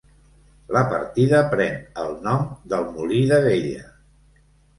La partida pren el nom del Molí d'Abella.